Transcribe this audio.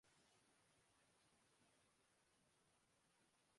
سب کچھ وہاں ہے۔